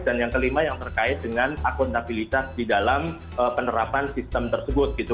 dan yang kelima yang terkait dengan akuntabilitas di dalam penerapan sistem tersebut